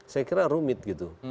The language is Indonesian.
saya kira rumit gitu